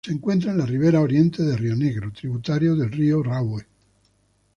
Se encuentra en la ribera oriente del Río Negro, tributario del Río Rahue.